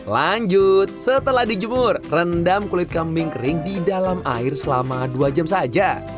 lanjut setelah dijemur rendam kulit kambing kering di dalam air selama dua jam saja